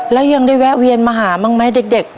แล้วยังได้แวะเวียนมาหาบ้างไหมเด็ก